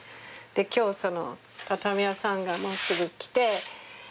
で今日その畳屋さんがもうすぐ来るのね。